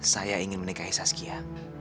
saya ingin menikahi saskia